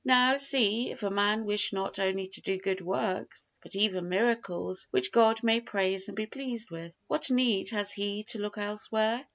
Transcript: Now see, if a man wish not only to do good works, but even miracles, which God may praise and be pleased with, what need has he to look elsewhere?